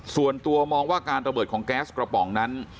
ส่วนตัวมองว่าการระเบิดของแก๊สกระป๋องนั้น